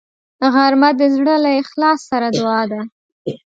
غرمه د زړه له اخلاص سره دعا ده